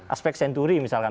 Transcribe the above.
aspek senturi misalkan